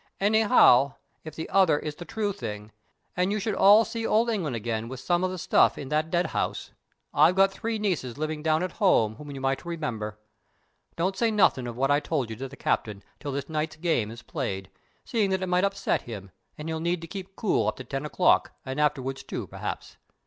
Anyhow, if the other is the true thing, and you should all see old England again with some of the stuff in that dead house, I've got three nieces living down at home whom you might remember. Don't say nothing of what I told you to the Captain till this night's game is played, seeing that it might upset him, and he'll need to keep cool up to ten o'clock, and afterwards too, perhaps.